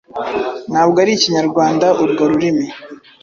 ntabwo ari Ikinyarwanda urwo rurimi